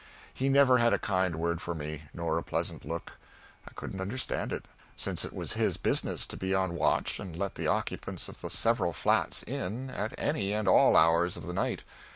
He never had a kind word for me, nor a pleasant look. I couldn't understand it, since it was his business to be on watch and let the occupants of the several flats in at any and all hours of the night.